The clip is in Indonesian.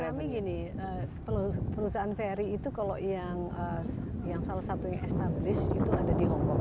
kami gini perusahaan feri itu kalau yang salah satu yang established itu ada di hongkong